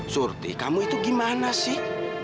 surti kamu itu gimana sih